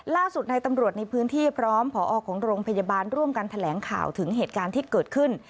ล่าสุดในตำรวจในพื้นที่พร้อมผอของโรงพยาบาลร่วมกันแถลงข่าวถึงเหตุการณ์ที่เกิดขึ้น